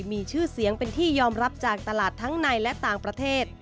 มีชื่อเสียงเป็นที่ยอมรับจากตลาดทั้งในและต่างประเทศ